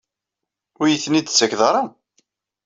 Ur iyi-ten-id-tettakeḍ ara?